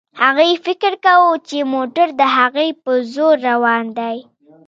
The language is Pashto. هغې فکر کاوه چې موټر د هغې په زور روان دی.